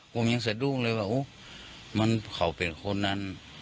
ผมยังสะดุ้งเลยว่าเขาเป็นคนนั้น